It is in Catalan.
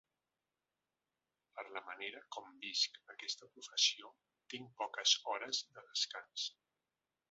Per la manera com visc aquesta professió, tinc poques hores de descans.